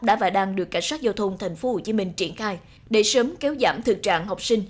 đã và đang được cảnh sát giao thông tp hcm triển khai để sớm kéo giảm thực trạng học sinh